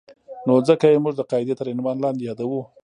نو ځکه یې موږ د قاعدې تر عنوان لاندې یادوو.